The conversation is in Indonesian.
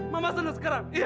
mama senang sekarang iya